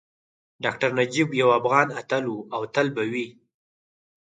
ډاکټر نجیب یو افغان اتل وو او تل به وي